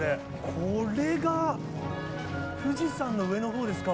これが富士山の上のほうですか。